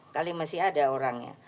kali masih ada orangnya